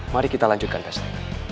mari kita lanjutkan pesta